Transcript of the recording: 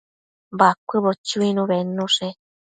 Bacuëbo chuinu bednushe